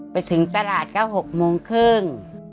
ไปถึงสลัดก็หกโมงคืน